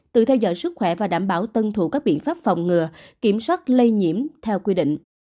tự theo dõi sức khỏe và đảm bảo tuân thủ các biện pháp phòng ngừa kiểm soát lây nhiễm theo quy định